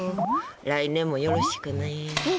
来年もよろしくね。